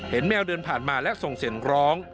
เห็นแมวเดินผ่านมาและส่งเสร็จร้อง